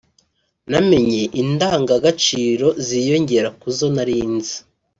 namenye indangagaciro ziyongera kuzo narinzi